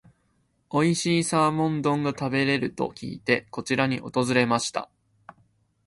おいしいサーモン丼が食べれると聞いて、こちらに訪れました。